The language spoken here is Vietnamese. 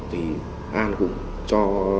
thì an cũng cho